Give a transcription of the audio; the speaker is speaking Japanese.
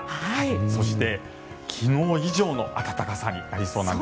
そして昨日以上の暖かさになりそうなんです。